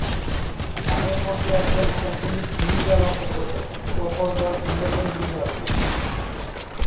যাদের মধ্যে একদল ক্যাথোলিক গির্জার অন্তর্গত ও অপর দল ইংল্যান্ডের গির্জার অন্তর্গত।